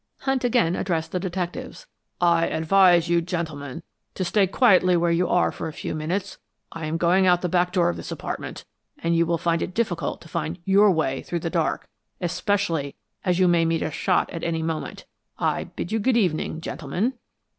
Hunt again addressed the detectives. "I advise you gentlemen to stay quietly where you are for a few minutes. I am going out of the back door of this apartment, and you, will find it difficult to find YOUR way through in the dark especially as you may meet a shot at any moment. I bid you good evening, gentlemen."